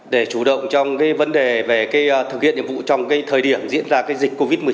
để chủ động trong vấn đề về thực hiện nhiệm vụ trong thời điểm diễn ra dịch covid một mươi chín